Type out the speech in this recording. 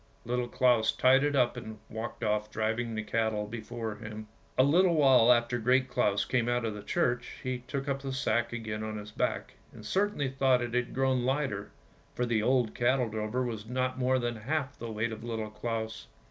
Little Claus tied it up and walked off driving the cattle before him. A little while after Great Claus came out of the church, he took up the sack again on his back, and certainly thought it had grown lighter, for the old cattle drover was not more than half the weight of Little Claus.